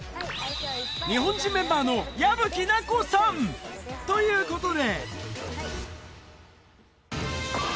日本人メンバーの矢吹奈子さん。ということで。